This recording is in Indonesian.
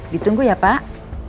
ditunggu ya pak